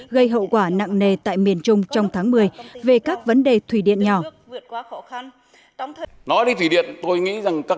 gây hậu quả nặng nề tại miền trung trong tháng một mươi về các vấn đề thủy điện nhỏ